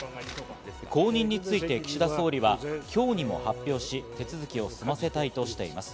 後任について岸田総理は今日にも発表し、手続きを済ませたいとしています。